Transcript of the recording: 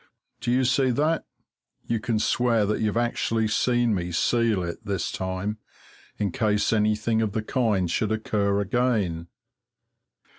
Do you see that? You can swear that you've actually seen me seal it this time, in case anything of the kind should occur again.